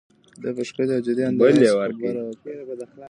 ده په ښکلي او جدي انداز خبره وکړه.